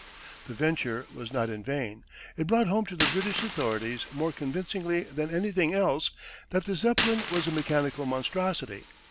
The venture was not in vain; it brought home to the British authorities more convincingly than anything else that the Zeppelin was a mechanical monstrosity.